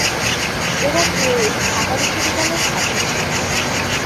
এরা কেউই ঢাকা বিশ্ববিদ্যালয়ের ছাত্র ছিলেন না।